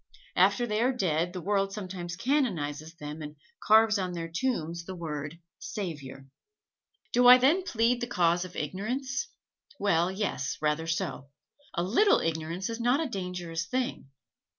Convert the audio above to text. After they are dead the world sometimes canonizes them and carves on their tombs the word "Savior." Do I then plead the cause of ignorance? Well, yes, rather so. A little ignorance is not a dangerous thing.